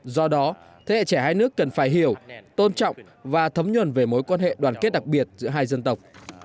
do đó thế hệ trẻ hai nước cần phải hiểu tôn trọng và thấm nhuần về mối quan hệ đoàn kết đặc biệt giữa hai dân tộc